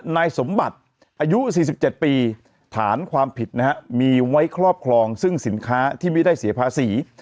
นายสมบัติอายุ๔๗ปีฐานความผิดนะฮะมีไว้ครอบครองซึ่งสินค้าที่ไม่ได้เสียภาษี